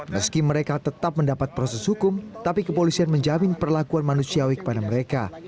meski mereka tetap mendapat proses hukum tapi kepolisian menjamin perlakuan manusiawi kepada mereka